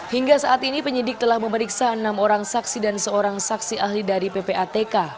hingga saat ini penyidik telah memeriksa enam orang saksi dan seorang saksi ahli dari ppatk